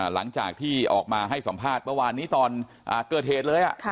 หลังจากที่ออกมาให้สัมภาษณ์เมื่อวานนี้ตอนเกิดเหตุเลย